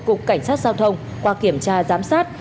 cục cảnh sát giao thông qua kiểm tra giám sát